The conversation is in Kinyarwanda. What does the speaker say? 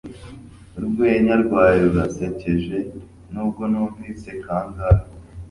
Urwenya rwawe rurasekeje nubwo numvise kangahe